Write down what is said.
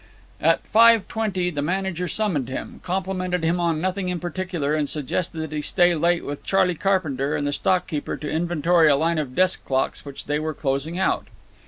At five twenty the manager summoned him, complimented him on nothing in particular, and suggested that he stay late with Charley Carpenter and the stock keeper to inventory a line of desk clocks which they were closing out.